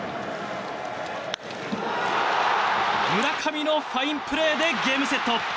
村上のファインプレーでゲームセット！